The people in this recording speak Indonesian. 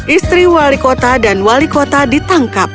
istri wali kota dan wali kota ditangkap